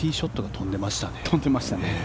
飛んでましたね。